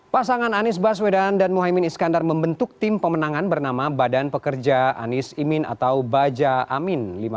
pasangan anies baswedan dan muhaymin iskandar membentuk tim pemenangan bernama badan pekerja anies imin atau baja amin